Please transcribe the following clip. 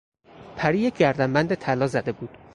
پری یک گردنبند طلا زده بود.